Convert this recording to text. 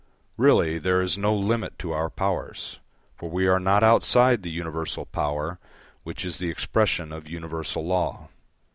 Really, there is no limit to our powers, for we are not outside the universal power which is the expression of universal law.